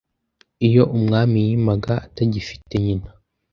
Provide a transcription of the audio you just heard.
Iyo Umwami yimaga atagifite nyina,